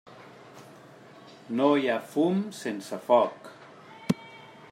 No hi ha fum sense foc.